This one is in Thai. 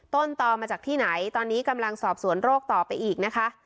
ตอมาจากที่ไหนตอนนี้กำลังสอบสวนโรคต่อไปอีกนะคะ